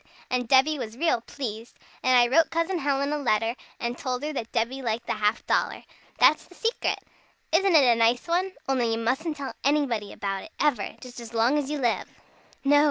And Debby was real pleased. And I wrote Cousin Helen a letter, and told her that Debby liked the half dollar. That's the secret! Isn't it a nice one? Only you mustn't tell anybody about it, ever just as long as you live." "No!"